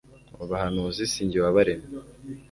abo bahanuzi si jye wabaremye